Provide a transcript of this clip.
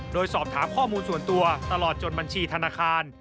โดยสอบถามข้อมูลส่วนตัวตลอดจนบัญชีธนาคาร